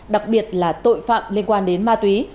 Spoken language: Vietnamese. đặc biệt là tội phạm liên quan đến ma túy